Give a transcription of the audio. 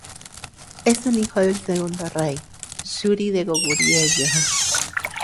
Es un hijo del segundo rey, Yuri de Goguryeo.